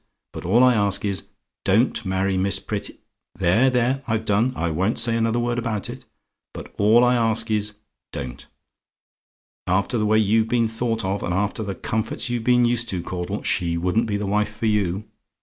but all I ask is, don't marry Miss Pret There! there! I've done: I won't say another word about it; but all I ask is, don't. After the way you've been thought of, and after the comforts you've been used to, Caudle, she wouldn't be the wife for you.